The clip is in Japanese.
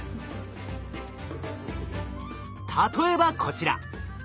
例えばこちら。